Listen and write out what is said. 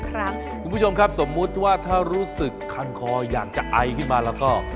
ครั้งคุณผู้ชมครับสมมุติว่าถ้ารู้สึกคันคออยากจะไอขึ้นมาแล้วก็